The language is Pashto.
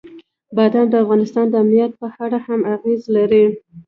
بادام د افغانستان د امنیت په اړه هم اغېز لري.